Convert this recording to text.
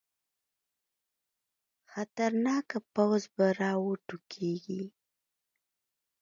خطرناکه پوځ به راوټوکېږي.